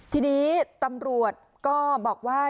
ทีนี้ตำรวจก็บอกว่า